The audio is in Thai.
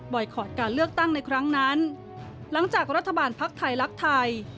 คอร์ดการเลือกตั้งในครั้งนั้นหลังจากรัฐบาลภักดิ์ไทยรักไทย